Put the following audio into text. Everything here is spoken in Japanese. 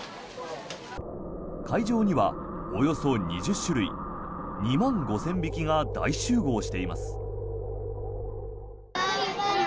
会場には、およそ２０種類２万５０００匹が大集合しています。